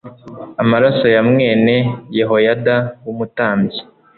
amaraso ya mwene yehoyada w umutambyi